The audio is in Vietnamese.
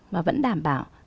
và vẫn đảm bảo